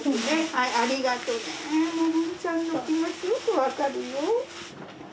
ありがとね文ちゃんの気持ちよく分かるよ。